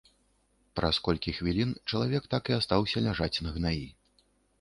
Праз колькі хвілін чалавек так і астаўся ляжаць на гнаі.